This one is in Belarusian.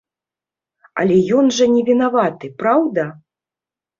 Але ён жа не вінаваты, праўда?